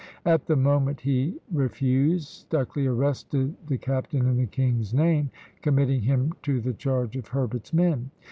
At the moment he refused, Stucley arrested the captain in the king's name, committing him to the charge of Herbert's men.